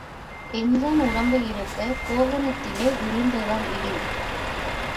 எண்சாண் உடம்பு இருக்கக் கோவணத்திலே விழுந்ததாம் இடி.